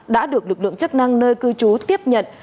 đã được lực lượng chức năng nơi cư trú tiếp nhận